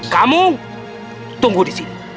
kamu tunggu di sini